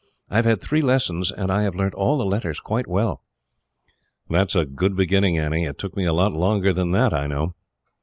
I have had three lessons, and I have learnt all the letters quite well." "That is a good beginning, Annie. It took me a lot longer than that, I know."